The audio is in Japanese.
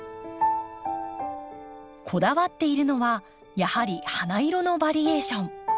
こだわっているのはやはり花色のバリエーション。